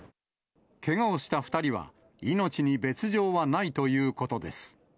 けがをした２人は、命に別状はないということです。